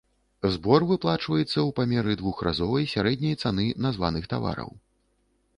Збор выплачваецца ў памеры двухразовай сярэдняй цаны названых тавараў.